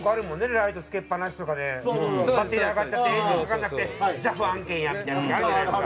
ライトつけっぱなしとかでバッテリー上がっちゃってエンジンかからなくてＪＡＦ案件やみたいな時あるじゃないですか。